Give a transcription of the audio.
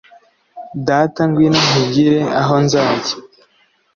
data ngwino nkubwire aho nzajya